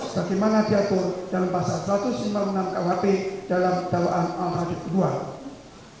sebagaimana diatur dalam pasal satu ratus lima puluh enam kuhp dalam dakwaan al hafid ii